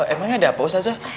emangnya ada apa ustazah